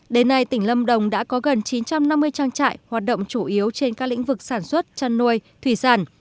đến nay tỉnh lâm đồng đã có gần chín trăm năm mươi trang trại hoạt động chủ yếu trên các lĩnh vực sản xuất chăn nuôi thủy sản